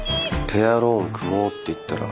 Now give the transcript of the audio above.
ペアローン組もうって言ったら。